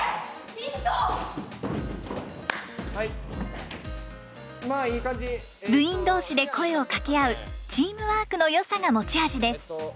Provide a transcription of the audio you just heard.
部員同士で声をかけ合うチームワークのよさが持ち味です。